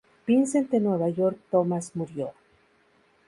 Vincent de Nueva York Thomas murió.